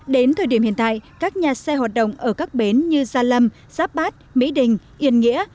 đến thời điểm hiện tại các nhà xe hoạt động ở các bến như gia lâm giáp bát mỹ đình yên nghĩa